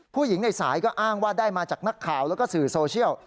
ในสายก็อ้างว่าได้มาจากนักข่าวแล้วก็สื่อโซเชียล